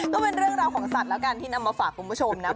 ก็เป็นเรื่องราวของสัตว์แล้วกันที่นำมาฝากคุณผู้ชมนะ